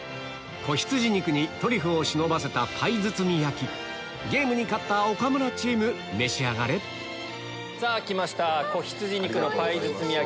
仔羊肉にトリュフを忍ばせたパイ包み焼きゲームに勝った岡村チーム召し上がれさぁきました。